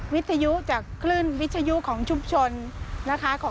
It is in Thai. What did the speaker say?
วิทยุจากคลื่นวิทยุของชุมชนนะคะ